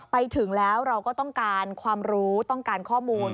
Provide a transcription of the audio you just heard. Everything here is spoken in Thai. ไปถึงแล้วเราก็ต้องการความรู้ต้องการข้อมูล